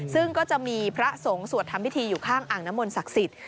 ซึ่งก็จะมีพระสงฆ์สวดทำพิธีอยู่ข้างอ่างน้ำมนศักดิ์สิทธิ